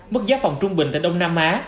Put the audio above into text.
mức giá phòng trung bình tại đông nam á